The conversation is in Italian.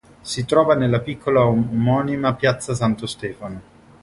Si trova nella piccola omonima piazza Santo Stefano.